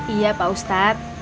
iya pak ustadz